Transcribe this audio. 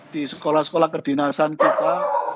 di sekolah sekolah kedinasan kita